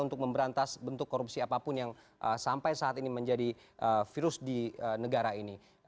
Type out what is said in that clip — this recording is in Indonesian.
untuk memberantas bentuk korupsi apapun yang sampai saat ini menjadi virus di negara ini